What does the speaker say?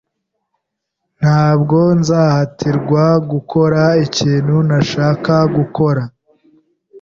Ntabwo nzahatirwa gukora ikintu ntashaka gukora.